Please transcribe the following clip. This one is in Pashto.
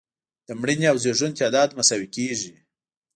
د مړینې او زیږون تعداد مساوي کیږي.